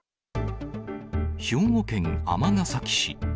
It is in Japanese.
兵庫県尼崎市。